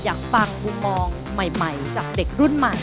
อยากฟังมุมมองใหม่จากเด็กรุ่นใหม่